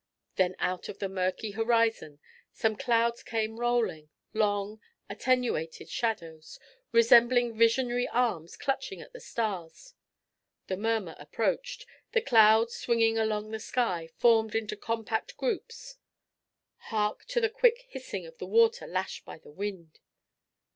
Then out of the murky horizon some clouds came rolling—long, attenuated shadows, resembling visionary arms clutching at the stars. The murmur approached; the clouds, swinging along the sky, formed into compact groups. Hark to the quick hissing of the water lashed by the wind!